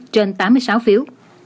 bảy mươi bảy trên tám mươi sáu phiếu